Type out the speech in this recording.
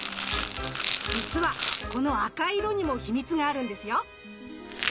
じつはこの赤い色にもヒミツがあるんですよ。